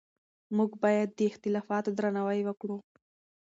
موږ باید د اختلافاتو درناوی وکړو.